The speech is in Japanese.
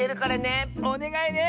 おねがいね。